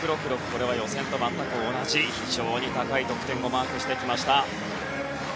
これは予選と全く同じ非常に高い得点をマークしてきました。